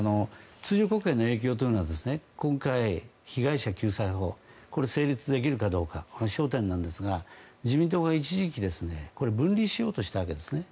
通常国会への影響というのは今回、被害者救済法成立できるかどうかが焦点なんですが自民党が一時期これ、分離しようとしたわけですね。